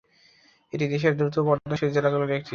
এটি দেশের দ্রুত বর্ধনশীল জেলাগুলির একটি।